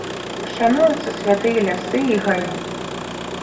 Шануюцца святыя лясы і гаі.